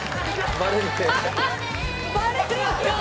バレるよ。